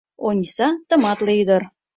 Ониса — тыматле ӱдыр.